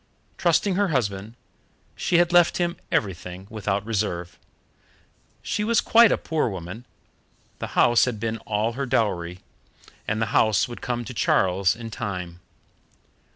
Trusting her husband, she had left him everything without reserve. She was quite a poor woman the house had been all her dowry, and the house would come to Charles in time.